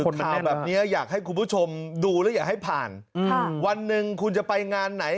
มาเอาแบบเนี้ยอยากให้คุณผู้ชมดูแล้วอยากให้ผ่านวันหนึ่งคุณจะไปงานไหน